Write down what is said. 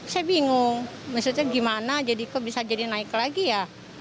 saya bingung maksudnya gimana jadi kok bisa jadi naik lagi ya